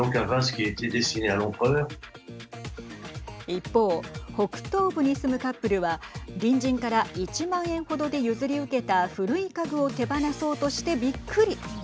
一方、北東部に住むカップルは隣人から１万円程で譲り受けた古い家具を手放そうとしてびっくり。